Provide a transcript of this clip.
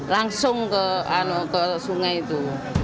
langsung ke sungai itu